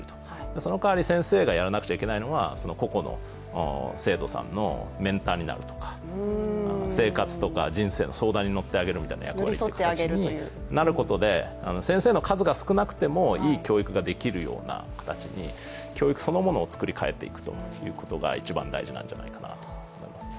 その代わり先生がやらなくちゃいけないのは、個々の生徒のメンターになるとか、人生的な相談に寄り添って上げるとか、先生の数が少なくてもいい教育ができるような形に、教育そのものを作り替えていくことが一番大事なんじゃないかなと思いますね。